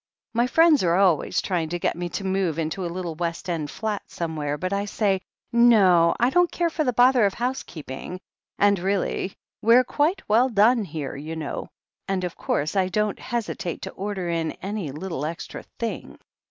My friends are always trying to get me to move into a little West End flat somewhere, but I say, 'No ; I don't care for the bother of housekeeping.* And really we're quite well done here, you know, and of course I don't hesitate to order in any little extra thing.